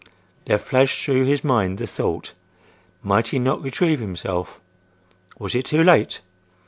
There flashed through his mind the thought, might he not retrieve himself? Was it too late?